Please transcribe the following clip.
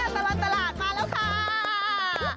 ชั่วตลอดตลาด